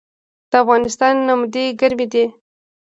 د افغانستان نمدې ګرمې دي